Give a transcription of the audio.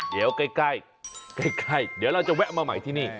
เดี๋ยวใกล้ใกล้เดี๋ยวเราจะแวะมาใหม่ที่นี่